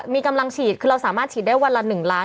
มีกำลังฉีดคือเราสามารถฉีดได้วันละ๑ล้าน